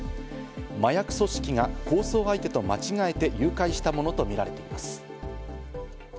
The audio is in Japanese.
麻薬組織が抗争相手と間違えて誘拐したものとみられています。